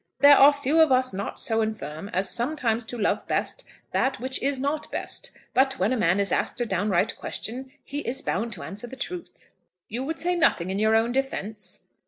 "There are few of us not so infirm as sometimes to love best that which is not best. But when a man is asked a downright question, he is bound to answer the truth." "You would say nothing in your own defence."